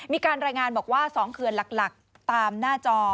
มีการรายงานบอกว่า๒เขื่อนหลักตามหน้าจอ